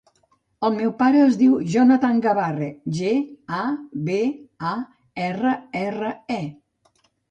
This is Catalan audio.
El meu pare es diu Jonathan Gabarre: ge, a, be, a, erra, erra, e.